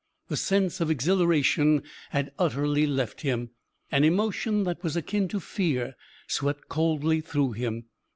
The sense of exhilaration had utterly left him. An emotion that was akin to fear swept coldly through him.